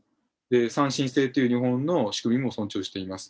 三審制という日本の仕組みも尊重しています。